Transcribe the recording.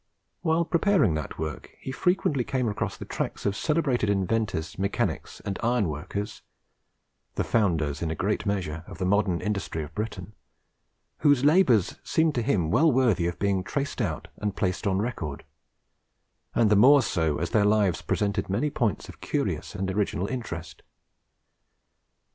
While preparing that work he frequently came across the tracks of celebrated inventors, mechanics, and iron workers the founders, in a great measure, of the modern industry of Britain whose labours seemed to him well worthy of being traced out and placed on record, and the more so as their lives presented many points of curious and original interest.